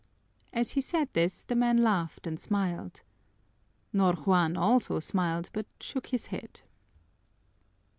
As he said this the man laughed and smiled. Ñor Juan also smiled, but shook his head.